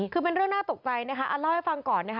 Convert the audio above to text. คือเป็นเรื่องน่าตกใจเล่าให้ฟังก่อน